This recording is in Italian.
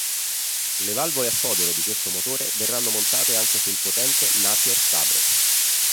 Le valvole a fodero di questo motore verranno montate anche sul potente Napier Sabre.